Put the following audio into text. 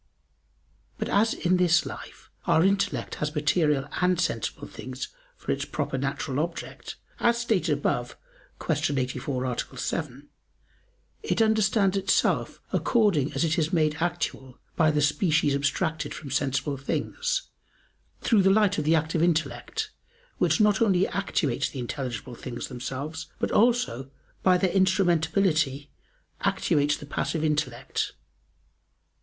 But as in this life our intellect has material and sensible things for its proper natural object, as stated above (Q. 84, A. 7), it understands itself according as it is made actual by the species abstracted from sensible things, through the light of the active intellect, which not only actuates the intelligible things themselves, but also, by their instrumentality, actuates the passive intellect.